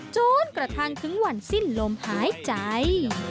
จนกระทั่งถึงวันสิ้นลมหายใจ